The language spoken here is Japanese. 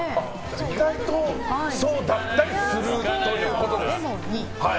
意外とそうだったりするということです。